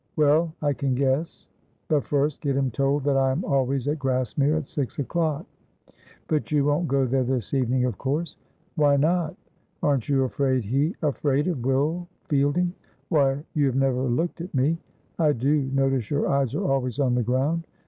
"Well, I can guess." "But first get him told that I am always at Grassmere at six o'clock." "But you won't go there this evening, of course." "Why not?" "Aren't you afraid he " "Afraid of Will Fielding? Why, you have never looked at me. I do notice your eyes are always on the ground.